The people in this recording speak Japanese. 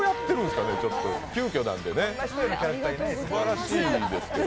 すばらしいんですけど。